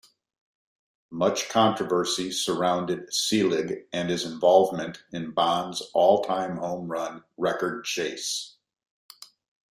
Much controversy surrounded Selig and his involvement in Bonds' all-time home run record chase.